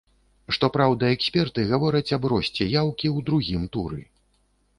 Што праўда, эксперты гавораць аб росце яўкі ў другім туры.